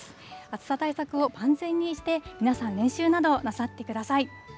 暑さ対策を万全にして、皆さん、練習などなさってください。